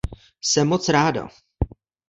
Jsem moc ráda.